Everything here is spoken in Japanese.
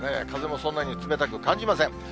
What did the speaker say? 風もそんなに冷たく感じません。